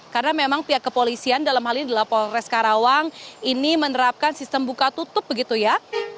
karena memang pihak kepolisian dalam hal ini adalah polres karawang ini menerapkan sistem buka tutup begitu ya